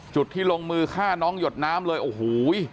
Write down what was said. จุดที่ลงมือฆ่าน้องหยดน้ำเลยโอ้โห